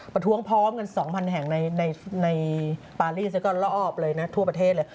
ประท้วงพร้อมกัน๒๐๐แห่งในปารีสก็รอบเลยนะทั่วประเทศเลย